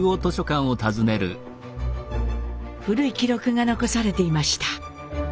古い記録が残されていました。